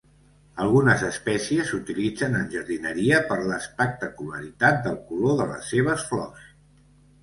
Algunes espècies s'utilitzen en jardineria per l'espectacularitat del color de les seves flors.